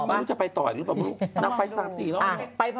นางจะไปต่ออย่างนี้หรือเปล่านางไป๓๔รอบอะ